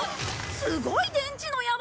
すごい電池の山！